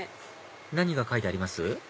何が書いてあります？